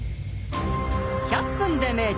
「１００分ｄｅ名著」